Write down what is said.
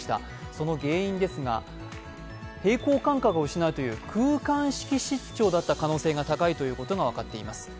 その原因ですが平衡感覚を失うという空間識失調だった可能性が高いといわれています。